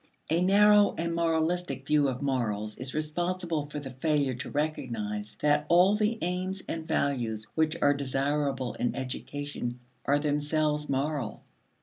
A narrow and moralistic view of morals is responsible for the failure to recognize that all the aims and values which are desirable in education are themselves moral.